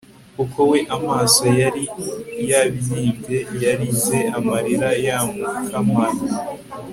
kuko we amaso yari yabyimbye yarize amarira yamukamamye